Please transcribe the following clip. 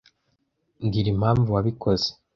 mbwira impamvu wabikoze.